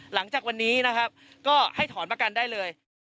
หลังจากวันนี้นะครับก็ให้ถอนประกันได้เลยนะครับ